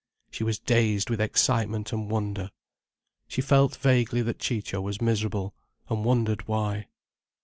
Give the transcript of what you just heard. She was dazed with excitement and wonder. She felt vaguely that Ciccio was miserable, and wondered why.